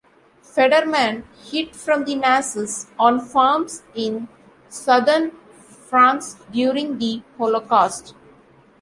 Federman hid from the Nazis on farms in southern France during the Holocaust.